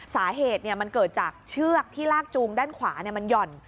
สาเหตุมันเกิดจากเชือกที่ลากจูงด้านขวามันหย่อน